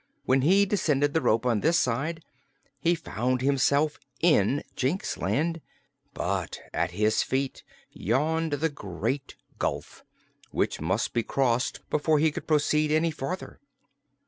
When he descended the rope on this side he found himself in Jinxland, but at his feet yawned the Great Gulf, which must be crossed before he could proceed any farther.